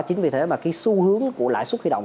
chính vì thế mà cái xu hướng của lãi suất huy động